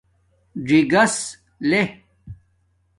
ژی گس لے